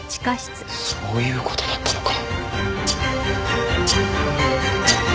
そういう事だったのか。